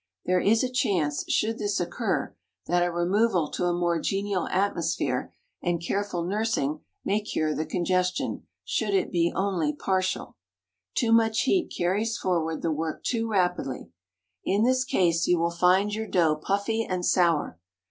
There is a chance, should this occur, that a removal to a more genial atmosphere and careful nursing may cure the congestion, should it be only partial. Too much heat carries forward the work too rapidly. In this case, you will find your dough puffy and sour.